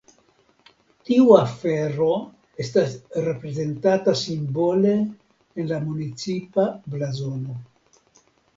Tiu afero estas reprezentata simbole en la municipa blazono.